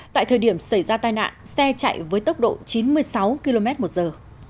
tại thời điểm xảy ra tai nạn xe chạy với tốc độ chín mươi sáu km một giờ